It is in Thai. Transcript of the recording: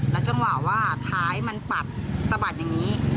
จังหวะว่าท้ายมันปัดสะบัดอย่างนี้